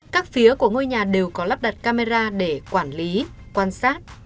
các phía của ngôi nhà đều có lắp đặt camera để quản lý quan sát